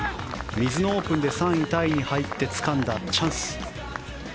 ミズノオープンで３位タイに入ってつかんだチャンス。